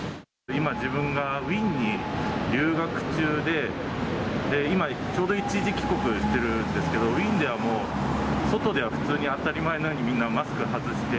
今、自分がウィーンに留学中で、今、ちょうど一時帰国しているんですけど、ウィーンではもう、外では普通に、当たり前のようにみんな、マスク外して。